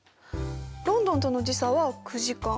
ロンドンとの時差は９時間。